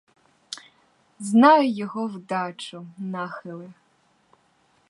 Знаю його вдачу, нахили.